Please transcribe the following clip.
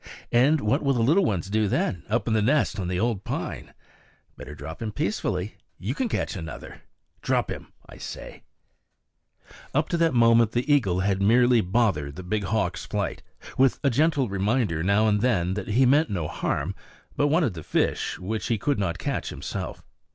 And what will the little ones do then, up in the nest on the old pine? Better drop him peacefully; you can catch another. Drop him! I say." [Illustration: Ismaquehs] Up to that moment the eagle had merely bothered the big hawk's flight, with a gentle reminder now and then that he meant no harm, but wanted the fish which he could not catch himself.